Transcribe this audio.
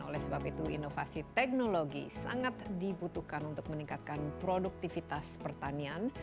oleh sebab itu inovasi teknologi sangat dibutuhkan untuk meningkatkan produktivitas pertanian